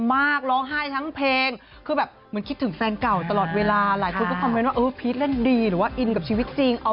มาเพลงชื่อว่าแอบดีหน้าเองเอ็มวีคือ